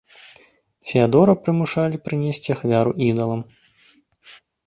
Феадора прымушалі прынесці ахвяру ідалам.